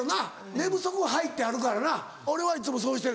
寝不足ハイってあるからな俺はいつもそうしてる。